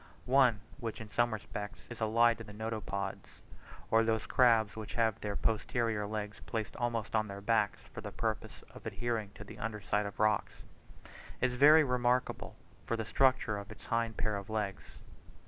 One, which in some respects is allied to the Notopods (or those crabs which have their posterior legs placed almost on their backs, for the purpose of adhering to the under side of rocks), is very remarkable from the structure of its hind pair of legs.